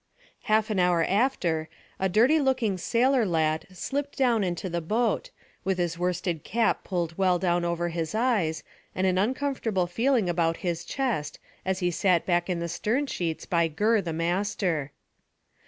Half an hour after, a dirty looking sailor lad slipped down into the boat, with his worsted cap pulled well down over his eyes, and an uncomfortable feeling about his chest, as he sat back in the stern sheets by Gurr the master.